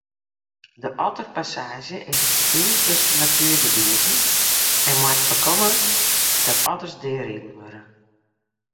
De otterpassaazje is in ferbining tusken natuergebieten en moat foarkomme dat otters deariden wurde.